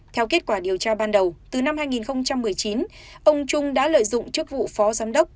theo kết quả điều tra ban đầu từ năm hai nghìn một mươi chín ông trung đã lợi dụng chức vụ phó giám đốc